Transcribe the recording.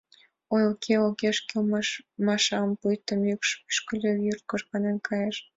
— Ой, уке-уке, огеш кӱл, — Машам пуйто мӱкш пӱшкыльӧ, вурт кожганен кайыш.